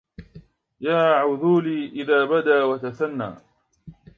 يا عذولي إذا بدا وتثنى